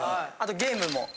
あとゲームも。